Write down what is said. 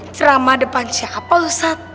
ceramah depan siapa ustadz